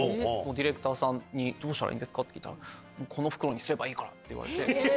ディレクターさんに、どうしたらいいんですかって聞いたら、この袋にすればいいからって言われて。